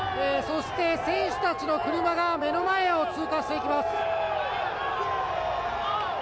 そして、選手たちの車が目の前を通過していきます。